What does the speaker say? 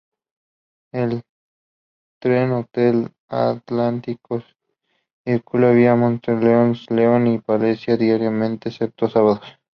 El "Trenhotel Atlántico" circula vía Monforte de Lemos, León y Palencia diariamente, excepto sábados.